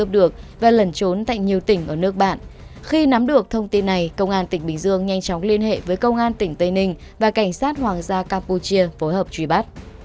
khi được thông tin này công an tỉnh bình dương nhanh chóng liên hệ với công an tỉnh tây ninh và cảnh sát hoàng gia campuchia phối hợp truy bắt